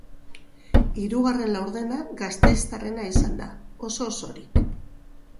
Hirugarren laurdena gasteiztarrena izan da, oso-osorik.